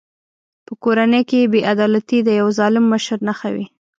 په کورنۍ کې بې عدالتي د یوه ظالم مشر نښه وي.